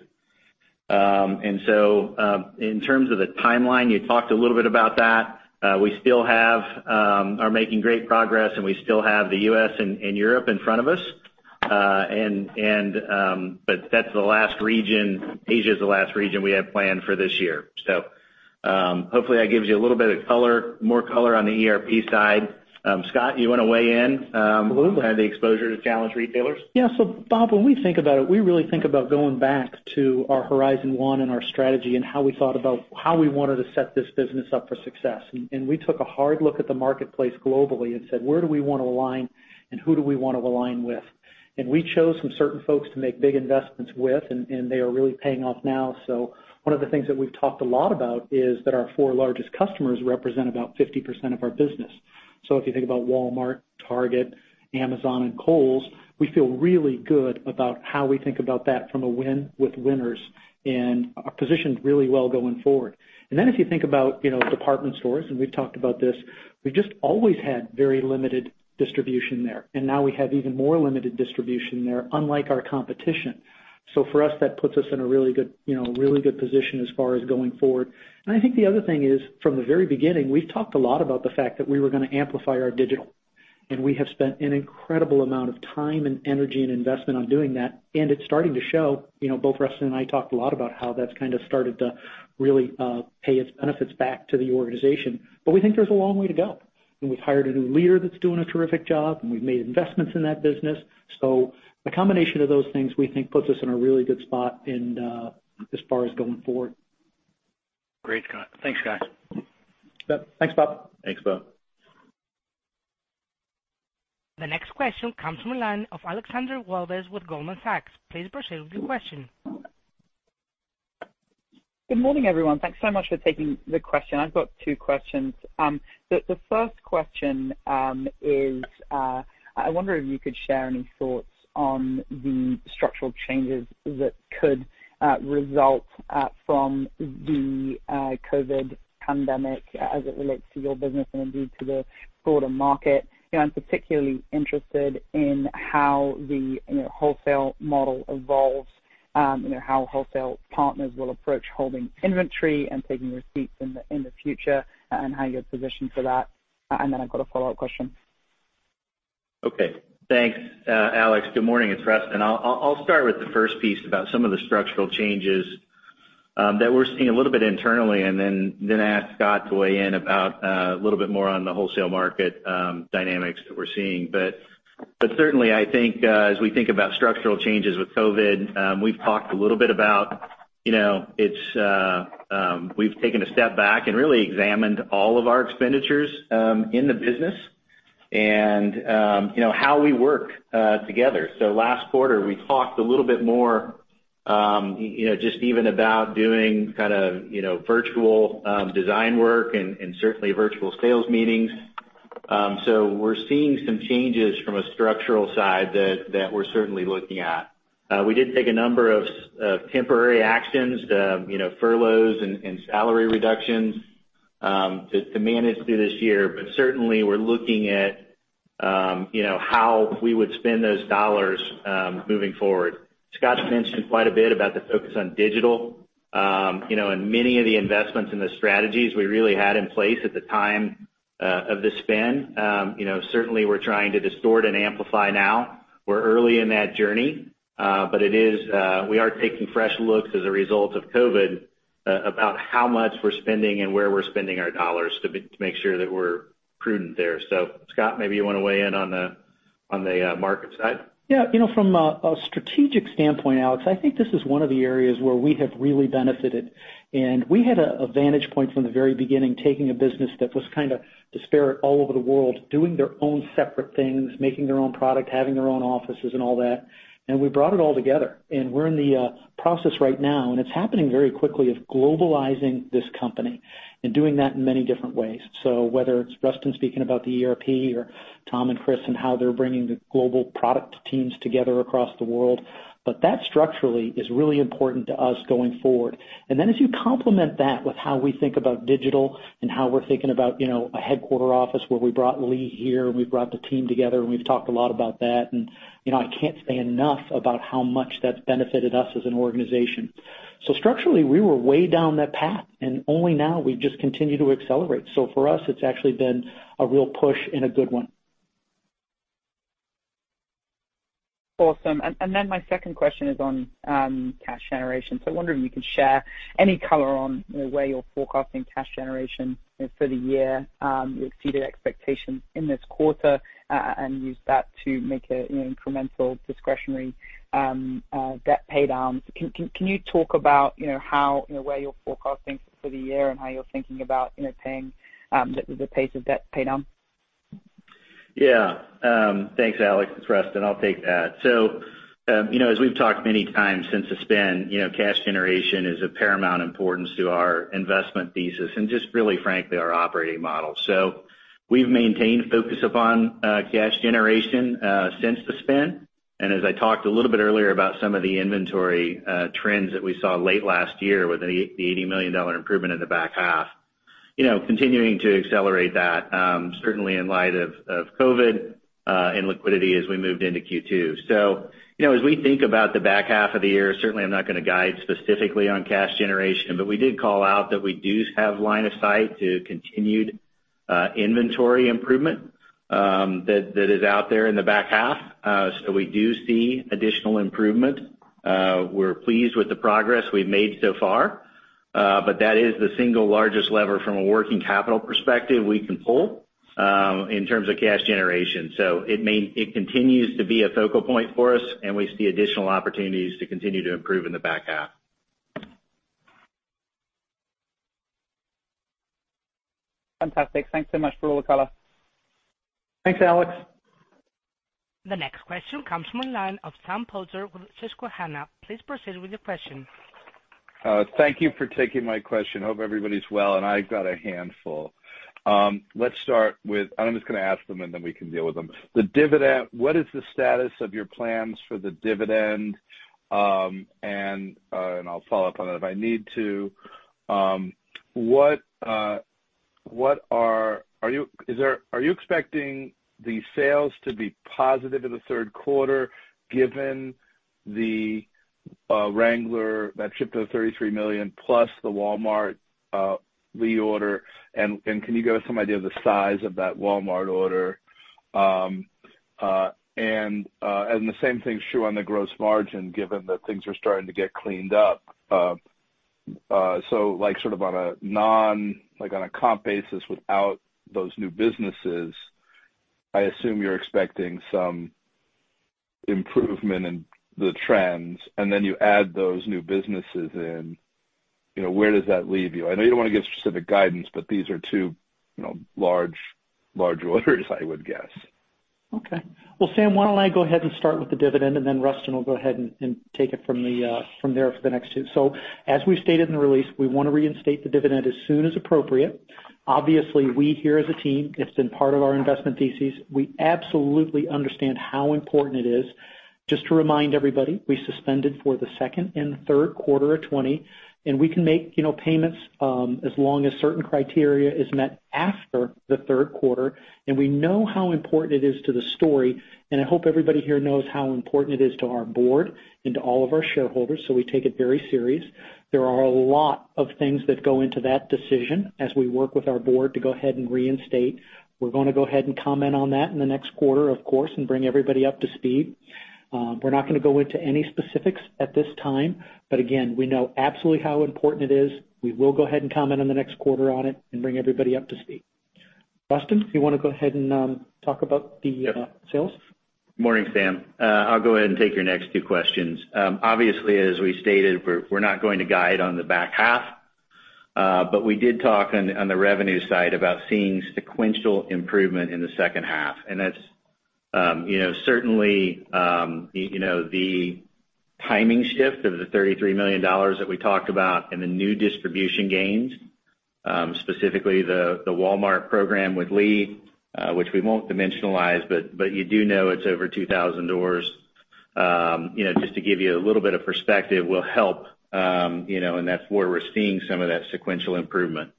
In terms of the timeline, you talked a little bit about that. We still are making great progress, and we still have the U.S. and Europe in front of us. Asia is the last region we have planned for this year. Hopefully that gives you a little bit of more color on the ERP side. Scott, you want to weigh in? Absolutely. On the exposure to challenged retailers? Yeah. So Bob, when we think about it, we really think about going back to our horizon one and our strategy and how we thought about how we wanted to set this business up for success. We took a hard look at the marketplace globally and said, "Where do we want to align, and who do we want to align with?" We chose some certain folks to make big investments with, and they are really paying off now. One of the things that we've talked a lot about is that our four largest customers represent about 50% of our business. If you think about Walmart, Target, Amazon, and Kohl's, we feel really good about how we think about that from a win with winners and are positioned really well going forward. If you think about department stores, and we've talked about this, we've just always had very limited distribution there. Now we have even more limited distribution there, unlike our competition. For us, that puts us in a really good position as far as going forward. I think the other thing is, from the very beginning, we've talked a lot about the fact that we were going to amplify our digital. We have spent an incredible amount of time and energy and investment on doing that, and it's starting to show. Both Rustin and I talked a lot about how that's kind of started to really pay its benefits back to the organization. We think there's a long way to go. We've hired a new leader that's doing a terrific job, and we've made investments in that business. The combination of those things, we think, puts us in a really good spot as far as going forward. Great, Scott. Thanks, Scott. Yep. Thanks, Bob. Thanks, Bob. The next question comes from the line of Alexandra Walvis with Goldman Sachs. Please proceed with your question. Good morning, everyone. Thanks so much for taking the question. I've got two questions. The first question is I wonder if you could share any thoughts on the structural changes that could result from the COVID pandemic as it relates to your business and indeed to the broader market. I'm particularly interested in how the wholesale model evolves, how wholesale partners will approach holding inventory and taking receipts in the future, and how you're positioned for that. Then I've got a follow-up question. Okay. Thanks Alex. Good morning. It's Rustin. I'll start with the first piece about some of the structural changes that we're seeing a little bit internally, and then ask Scott to weigh in about a little bit more on the wholesale market dynamics that we're seeing. Certainly I think as we think about structural changes with COVID-19, we've talked a little bit about we've taken a step back and really examined all of our expenditures in the business and how we work together. Last quarter, we talked a little bit more just even about doing kind of virtual design work and certainly virtual sales meetings. We're seeing some changes from a structural side that we're certainly looking at. We did take a number of temporary actions, furloughs and salary reductions, to manage through this year. Certainly, we're looking at how we would spend those dollars moving forward. Scott's mentioned quite a bit about the focus on digital. Many of the investments and the strategies we really had in place at the time of the spin, certainly we're trying to distort and amplify now. We're early in that journey. We are taking fresh looks as a result of COVID about how much we're spending and where we're spending our dollars to make sure that we're prudent there. Scott, maybe you want to weigh in on the market side? Yeah. From a strategic standpoint, Alex, I think this is one of the areas where we have really benefited. We had a vantage point from the very beginning, taking a business that was kind of disparate all over the world, doing their own separate things, making their own product, having their own offices and all that, and we brought it all together. We're in the process right now, and it's happening very quickly, of globalizing this company and doing that in many different ways. Whether it's Rustin speaking about the ERP or Tom and Chris and how they're bringing the global product teams together across the world. That structurally is really important to us going forward. Then as you complement that with how we think about digital and how we're thinking about a headquarter office where we brought Lee here and we've brought the team together and we've talked a lot about that. I can't say enough about how much that's benefited us as an organization. Structurally, we were way down that path, and only now we've just continued to accelerate. For us, it's actually been a real push and a good one. Awesome. My second question is on cash generation. I wonder if you could share any color on the way you're forecasting cash generation for the year. You exceeded expectations in this quarter and used that to make an incremental discretionary debt pay down. Can you talk about where you're forecasting for the year and how you're thinking about paying the pace of debt pay down? Yeah. Thanks, Alex. It's Rustin. I'll take that. As we've talked many times since the spin, cash generation is of paramount importance to our investment thesis and just really, frankly, our operating model. We've maintained focus upon cash generation since the spin, and as I talked a little bit earlier about some of the inventory trends that we saw late last year with the $80 million improvement in the back half, continuing to accelerate that, certainly in light of COVID and liquidity as we moved into Q2. As we think about the back half of the year, certainly I'm not going to guide specifically on cash generation, but we did call out that we do have line of sight to continued inventory improvement that is out there in the back half. We do see additional improvement. We're pleased with the progress we've made so far, but that is the single largest lever from a working capital perspective we can pull in terms of cash generation. It continues to be a focal point for us, and we see additional opportunities to continue to improve in the back half. Fantastic. Thanks so much for all the color. Thanks, Alex. The next question comes from the line of Sam Poser with Susquehanna. Please proceed with your question. Thank you for taking my question. Hope everybody's well, and I've got a handful. Let's start. I'm just going to ask them, then we can deal with them. The dividend, what is the status of your plans for the dividend? I'll follow up on that if I need to. Are you expecting the sales to be positive in the third quarter given the Wrangler that shipped the $33+ million the Walmart reorder, and can you give us some idea of the size of that Walmart order? The same thing is true on the gross margin, given that things are starting to get cleaned up. Like sort of on a comp basis without those new businesses, I assume you're expecting some improvement in the trends. Then you add those new businesses in, where does that leave you? I know you don't want to give specific guidance, but these are two large orders I would guess. Okay. Well, Sam, why don't I go ahead and start with the dividend, and then Rustin will go ahead and take it from there for the next two. As we stated in the release, we want to reinstate the dividend as soon as appropriate. Obviously, we here as a team, it's been part of our investment thesis. We absolutely understand how important it is. Just to remind everybody, we suspended for the second and third quarter of 2020, and we can make payments, as long as certain criteria is met after the third quarter. We know how important it is to the story, and I hope everybody here knows how important it is to our board and to all of our shareholders, so we take it very serious. There are a lot of things that go into that decision as we work with our board to go ahead and reinstate. We're going to go ahead and comment on that in the next quarter, of course, and bring everybody up to speed. We're not going to go into any specifics at this time, but again, we know absolutely how important it is. We will go ahead and comment on the next quarter on it and bring everybody up to speed. Rustin, do you want to go ahead and talk about the sales? Morning, Sam. I'll go ahead and take your next two questions. Obviously, as we stated, we're not going to guide on the back half. We did talk on the revenue side about seeing sequential improvement in the second half. That's certainly the timing shift of the $33 million that we talked about and the new distribution gains, specifically the Walmart program with Lee, which we won't dimensionalize, but you do know it's over 2,000 doors. Just to give you a little bit of perspective, will help, that's where we're seeing some of that sequential improvement.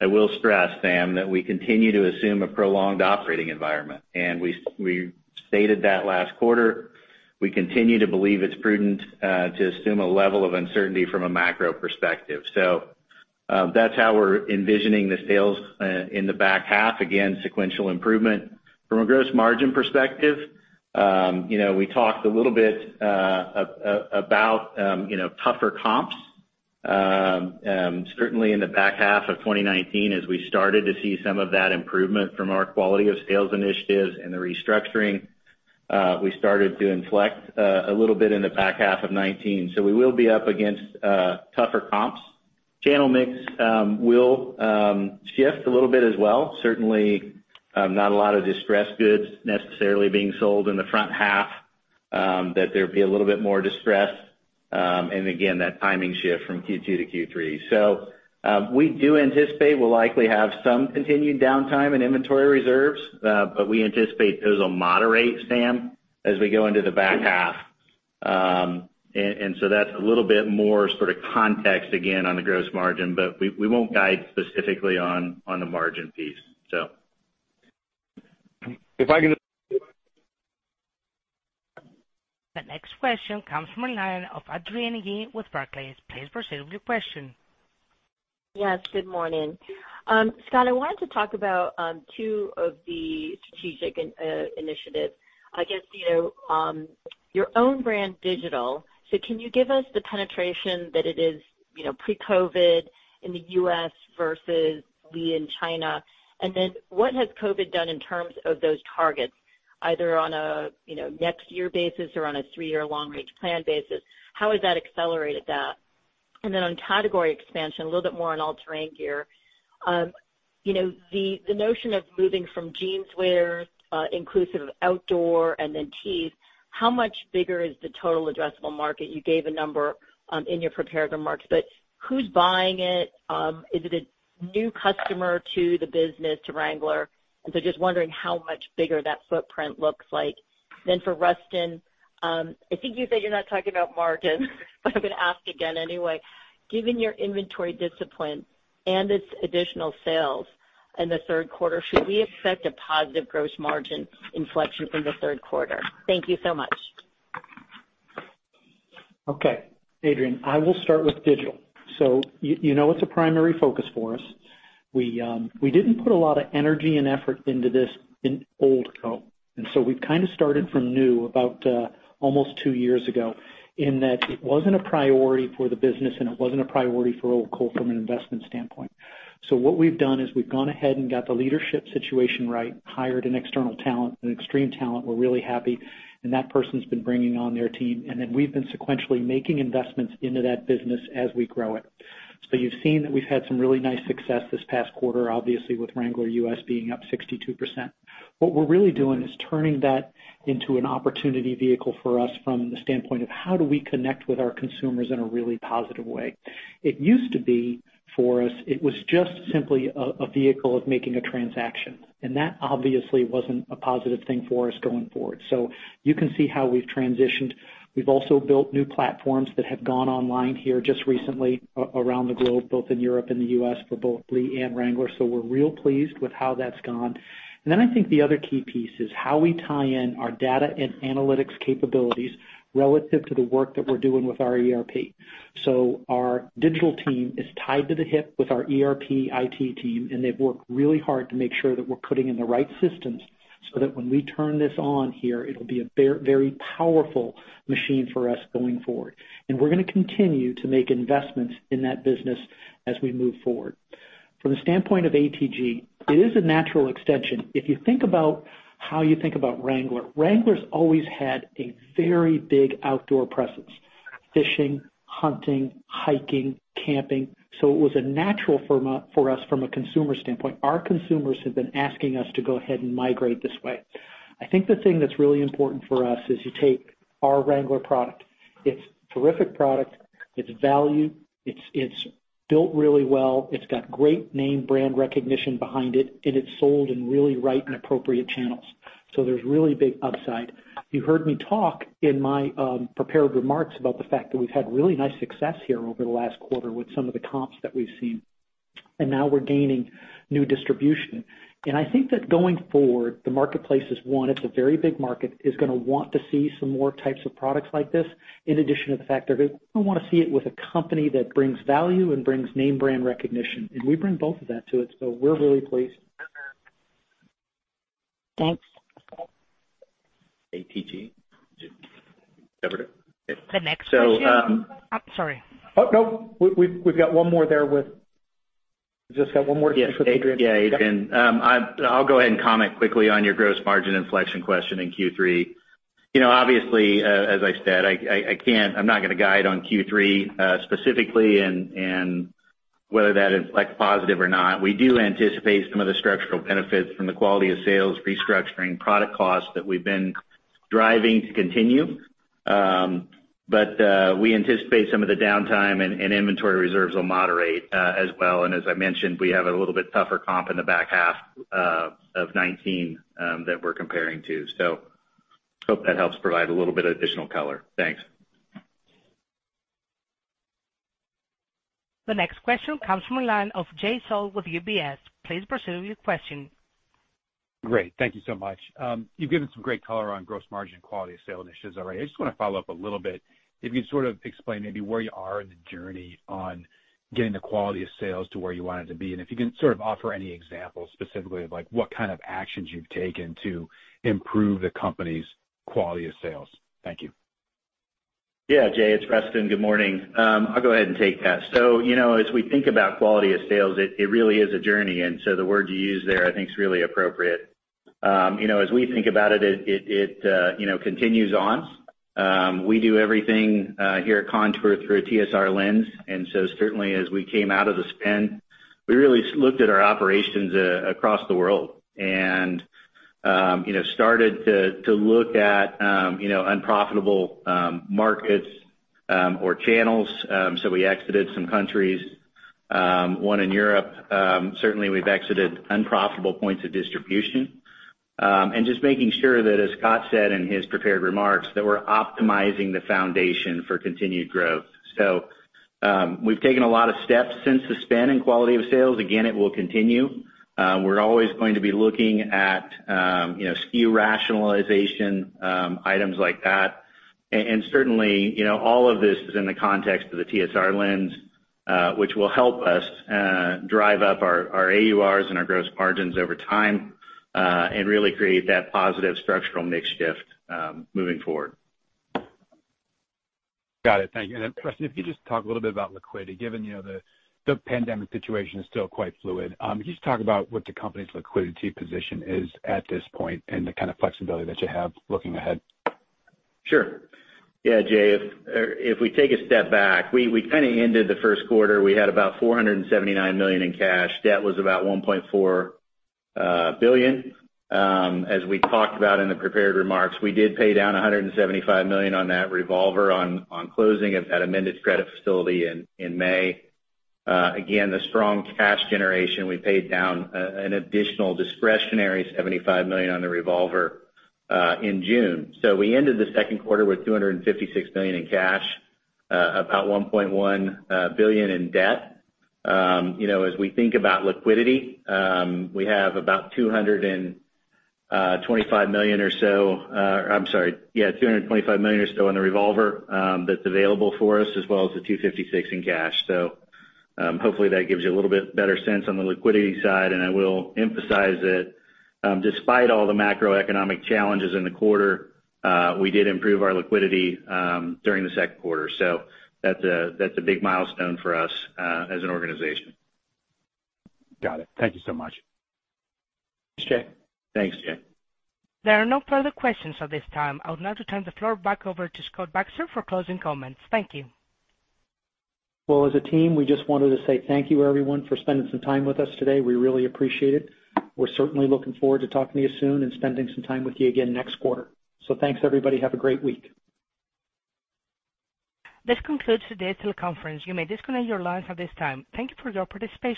I will stress, Sam, that we continue to assume a prolonged operating environment, we stated that last quarter. We continue to believe it's prudent to assume a level of uncertainty from a macro perspective. That's how we're envisioning the sales in the back half. Again, sequential improvement. From a gross margin perspective, we talked a little bit about tougher comps. Certainly in the back half of 2019, as we started to see some of that improvement from our quality of sales initiatives and the restructuring, we started to inflect a little bit in the back half of 2019. We will be up against tougher comps. Channel mix will shift a little bit as well. Certainly not a lot of distressed goods necessarily being sold in the front half, that there'd be a little bit more distressed. Again, that timing shift from Q2 to Q3. We do anticipate we'll likely have some continued downtime in inventory reserves. We anticipate those will moderate, Sam, as we go into the back half. That's a little bit more sort of context again on the gross margin. We won't guide specifically on the margin piece. If I can. The next question comes from the line of Adrienne Yih with Barclays. Please proceed with your question. Good morning. Scott, I wanted to talk about two of the strategic initiatives. I guess your own brand digital. Can you give us the penetration that it is pre-COVID in the U.S. versus Lee in China? What has COVID done in terms of those targets, either on a next year basis or on a three-year long range plan basis? How has that accelerated that? On category expansion, a little bit more on All-Terrain Gear. The notion of moving from jeans wear inclusive of outdoor and then tees, how much bigger is the total addressable market? You gave a number in your prepared remarks, who's buying it? Is it a new customer to the business, to Wrangler? Just wondering how much bigger that footprint looks like. For Rustin, I think you said you're not talking about margin, but I'm gonna ask again anyway. Given your inventory discipline and its additional sales in the third quarter, should we expect a positive gross margin inflection from the third quarter? Thank you so much. Okay. Adrienne, I will start with digital. You know it's a primary focus for us. We didn't put a lot of energy and effort into this in old Co. We've kind of started from new about almost two years ago in that it wasn't a priority for the business and it wasn't a priority for old Co from an investment standpoint. What we've done is we've gone ahead and got the leadership situation right, hired an external talent, an extreme talent. We're really happy, and that person's been bringing on their team, and then we've been sequentially making investments into that business as we grow it. You've seen that we've had some really nice success this past quarter, obviously with Wrangler U.S. being up 62%. What we're really doing is turning that into an opportunity vehicle for us from the standpoint of how do we connect with our consumers in a really positive way. It used to be, for us, it was just simply a vehicle of making a transaction. That obviously wasn't a positive thing for us going forward. You can see how we've transitioned. We've also built new platforms that have gone online here just recently around the globe, both in Europe and the U.S. for both Lee and Wrangler. We're real pleased with how that's gone. I think the other key piece is how we tie in our data and analytics capabilities relative to the work that we're doing with our ERP. Our digital team is tied to the hip with our ERP IT team, and they've worked really hard to make sure that we're putting in the right systems so that when we turn this on here, it'll be a very powerful machine for us going forward. We're gonna continue to make investments in that business as we move forward. From the standpoint of ATG, it is a natural extension. If you think about how you think about Wrangler's always had a very big outdoor presence. Fishing, hunting, hiking, camping. It was a natural for us from a consumer standpoint. Our consumers have been asking us to go ahead and migrate this way. I think the thing that's really important for us is you take our Wrangler product. It's terrific product. It's valued. It's built really well. It's got great name brand recognition behind it, and it's sold in really right and appropriate channels. There's really big upside. You heard me talk in my prepared remarks about the fact that we've had really nice success here over the last quarter with some of the comps that we've seen. Now we're gaining new distribution. I think that going forward, the marketplace is one, it's a very big market, is gonna want to see some more types of products like this, in addition to the fact they're gonna want to see it with a company that brings value and brings name brand recognition. We bring both of that to it, so we're really pleased. Thanks. ATG? Did you cover it? The next question. I'm sorry. Oh, no. Just got one more with Adrienne. Yeah. Adrienne, I'll go ahead and comment quickly on your gross margin inflection question in Q3. Obviously, as I said, I'm not gonna guide on Q3, specifically and whether that is like positive or not. We do anticipate some of the structural benefits from the quality of sales, restructuring product costs that we've been driving to continue. We anticipate some of the downtime and inventory reserves will moderate as well. As I mentioned, we have a little bit tougher comp in the back half of 2019 that we're comparing to. Hope that helps provide a little bit of additional color. Thanks. The next question comes from the line of Jay Sole with UBS. Please proceed with your question. Great. Thank you so much. You've given some great color on gross margin quality of sale initiatives already. I just wanna follow up a little bit. If you can sort of explain maybe where you are in the journey on getting the quality of sales to where you want it to be, and if you can sort of offer any examples specifically of like what kind of actions you've taken to improve the company's quality of sales. Thank you. Yeah. Jay, it's Preston. Good morning. I'll go ahead and take that. As we think about quality of sales, it really is a journey, the word you used there I think is really appropriate. As we think about it continues on. We do everything here at Kontoor through a TSR lens, certainly as we came out of the spin, we really looked at our operations across the world and started to look at unprofitable markets or channels. We exited some countries. One in Europe. Certainly, we've exited unprofitable points of distribution. Just making sure that, as Scott said in his prepared remarks, that we're optimizing the foundation for continued growth. We've taken a lot of steps since the spin in quality of sales. Again, it will continue. We're always going to be looking at SKU rationalization, items like that. Certainly, all of this is in the context of the TSR lens, which will help us drive up our AURs and our gross margins over time, and really create that positive structural mix shift moving forward. Got it. Thank you. Preston, if you could just talk a little bit about liquidity, given the pandemic situation is still quite fluid. Can you just talk about what the company's liquidity position is at this point and the kind of flexibility that you have looking ahead? Sure. Yeah, Jay, if we take a step back, we kind of ended the first quarter, we had about $479 million in cash. Debt was about $1.4 billion. As we talked about in the prepared remarks, we did pay down $175 million on that revolver on closing of that amended credit facility in May. The strong cash generation, we paid down an additional discretionary $75 million on the revolver in June. We ended the second quarter with $256 million in cash, about $1.1 billion in debt. As we think about liquidity, we have about $225 million or so on the revolver that's available for us, as well as the $256 in cash. Hopefully that gives you a little bit better sense on the liquidity side, and I will emphasize that despite all the macroeconomic challenges in the quarter, we did improve our liquidity during the second quarter. That's a big milestone for us as an organization. Got it. Thank you so much. Thanks, Jay. Thanks, Jay. There are no further questions at this time. I would now to turn the floor back over to Scott Baxter for closing comments. Thank you. Well, as a team, we just wanted to say thank you, everyone, for spending some time with us today. We really appreciate it. We're certainly looking forward to talking to you soon and spending some time with you again next quarter. Thanks, everybody. Have a great week. This concludes today's teleconference. You may disconnect your lines at this time. Thank you for your participation.